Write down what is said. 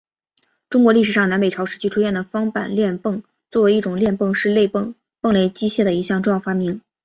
中国历史上南北朝时期出现的方板链泵作为一种链泵是泵类机械的一项重要发明。